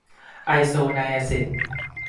ไอโซไนอะซิด